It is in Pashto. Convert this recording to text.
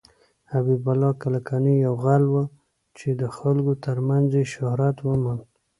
حبيب الله کلکاني يو غل وه ،چې د خلکو تر منځ يې شهرت وموند.